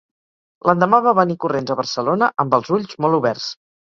L'endemà va venir corrents a Barcelona amb els ulls molt oberts.